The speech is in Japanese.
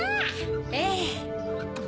ええ。